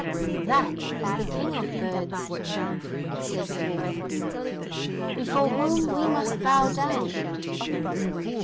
'That is the King of birds,' said the wolf, 'before whom we must bow down.